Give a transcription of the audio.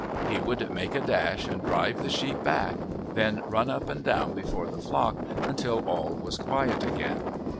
He would make a dash and drive the sheep back, then run up and down before the flock until all was quiet again.